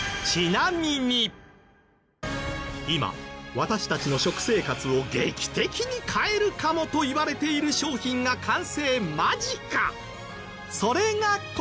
今私たちの食生活を劇的に変えるかも！？といわれている商品が完成間近。